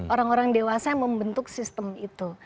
orang orang dewasa yang membentuk sistem itu